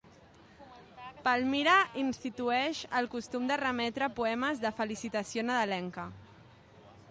Palmira institueix el costum de remetre poemes de felicitació nadalenca.